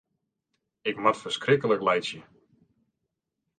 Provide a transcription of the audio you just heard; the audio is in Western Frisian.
Ik moat ferskriklik laitsje.